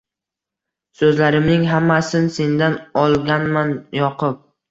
So‘zlarimning hammasin sendan olganman yoqib.